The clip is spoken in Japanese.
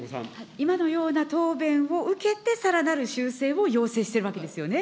今のような答弁を受けて、さらなる修正を要請しているわけですよね。